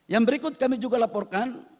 yang berikut kami juga laporkan